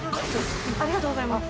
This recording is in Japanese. ありがとうございます。